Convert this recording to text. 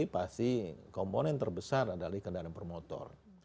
pasti komponen terbesar adalah kendaraan per motor